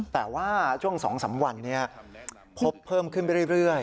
แต่ว่าช่วง๒๓วันนี้พบเพิ่มขึ้นไปเรื่อย